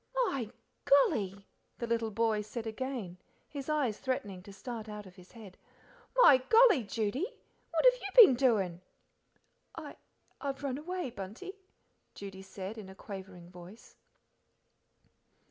"My golly!" the little boy said again, his eyes threatening to start out of his head "my golly, Judy, what have you been doin'?" "I I've run away, Bunty," Judy said, in a quavering voice.